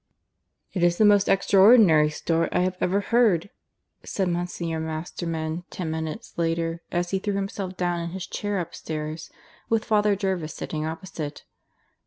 (II) "It is the most extraordinary story I have ever heard," said Monsignor Masterman ten minutes later, as he threw himself down in his chair upstairs, with Father Jervis sitting opposite.